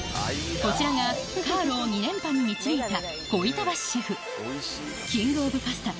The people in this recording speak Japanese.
こちらがカーロを２連覇に導いた小板橋シェフ「キングオブパスタ」